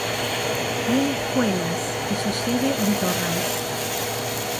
Tiene escuelas y su sede en Torrance.